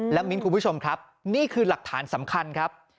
และมิ้นคุณผู้ชมครับนี่คือหลักฐานสำคัญครับ